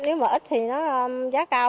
nếu mà ít thì giá cao